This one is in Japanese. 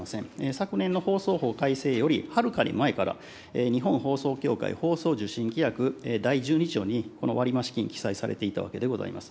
昨年の放送法改正より、はるかに前から日本放送協会放送受信規約第１２条に、この割増金、記載されていたわけでございます。